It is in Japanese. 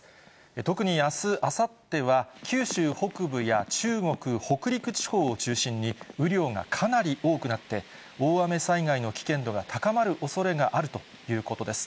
特にあす、あさっては、九州北部や中国、北陸地方を中心に、雨量がかなり多くなって、大雨災害の危険度が高まるおそれがあるということです。